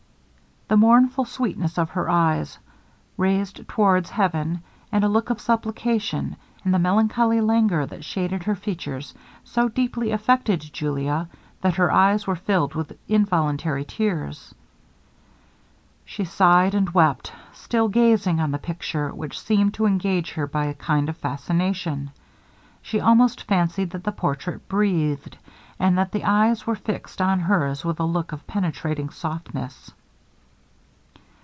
The mournful sweetness of her eyes, raised towards Heaven with a look of supplication, and the melancholy languor that shaded her features, so deeply affected Julia, that her eyes were filled with involuntary tears. She sighed and wept, still gazing on the picture, which seemed to engage her by a kind of fascination. She almost fancied that the portrait breathed, and that the eyes were fixed on hers with a look of penetrating softness.